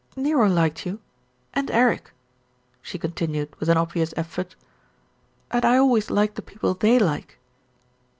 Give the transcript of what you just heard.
"Nero liked you, and Eric," she continued with an obvious effort, "and I always like the people they like."